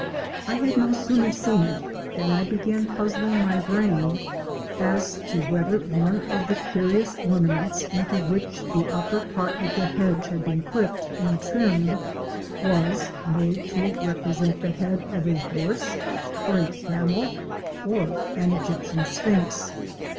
I had no sooner seen it than I began puzzling my brain as to whether one of the curious ornaments into which the upper part of the hedge had been clipped and trimmed was made to represent the head of a horse, or a camel, or an Egyptian sphinx.